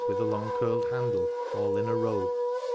with a long curled handle, all in a row.